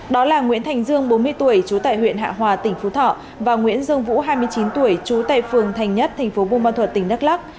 đó là nguyễn thành dương bốn mươi tuổi chú tại huyện hạ hòa tỉnh phú thọ và nguyễn dương vũ hai mươi chín tuổi chú tại phường thành nhất tỉnh đắk lắc